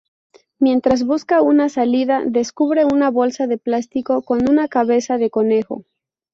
Mientras busca una salida, descubre una bolsa de plástico con una cabeza de conejo.